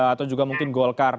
atau juga mungkin golkar